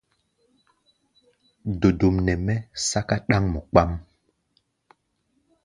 Dodom nɛ mɛ́ sɛ́ká ɗáŋmɔ kpaáʼm.